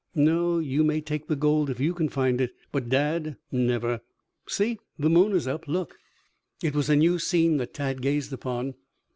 No, you may take the gold if you can find it, but Dad, never. See, the moon is up. Look!" It was a new scene that Tad gazed upon.